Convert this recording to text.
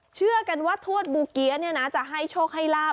เชื่อกันว่าทวดบูเกี๊ยจะให้โชคให้ลาบ